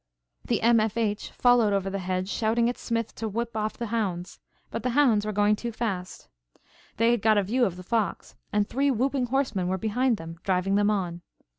The M. F. H. followed over the hedge shouting at Smith to whip off the hounds. But the hounds were going too fast. They had got a view of the fox and three whooping horsemen were behind them driving them on.